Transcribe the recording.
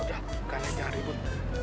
bukan aja ribut